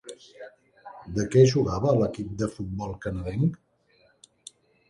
De què jugava a l'equip de futbol canadenc?